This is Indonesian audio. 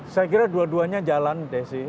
saya kira dua duanya jalan desi